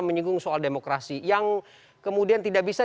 menyinggung soal demokrasi yang kemudian tidak bisa